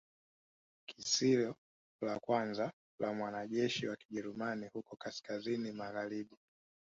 Kisio la kwanza la mwanajeshi wa Kijerumani huko kaskazini magharibi